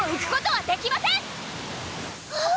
あっ！